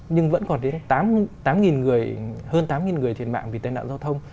nhưng vẫn còn đến tám hơn tám người thiệt mạng vì tai nạn giao thông